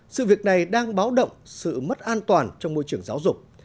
sự việc này đang báo động sự mất an toàn trong môi trường giáo dục